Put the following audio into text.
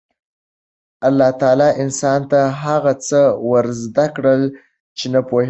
الله تعالی انسان ته هغه څه ور زده کړل چې نه پوهېده.